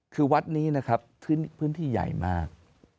คือวัดนี้นะครับพื้นที่ใหญ่มาก